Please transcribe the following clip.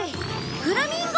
フラミンゴ！